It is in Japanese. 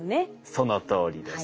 そのとおりです。